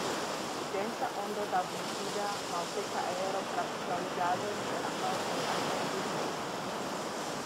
Densa ondo da mucida, malseka aero frapis la vizaĝojn de ambaŭ enirantaj virinoj.